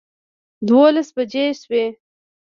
دولس بجې شوې.